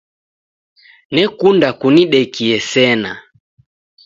Nekunda kunidekie sena.